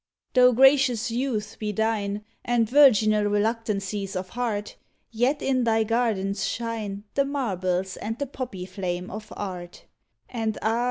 Though gracious youth be thine And virginal reluctancies of heart, Yet hi thy gardens shine The marbles and the poppy flame of Art; And ah